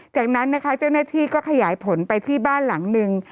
จากนั้นนะคะเจ้าหน้าที่ก็ขยายผลไปที่บ้านหลังนึง